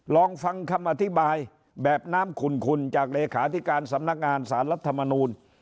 ลองฟังคำอธิบายแบบน้ำขุ่นจากเลขาธิการสำนักงานสารรัฐมนูล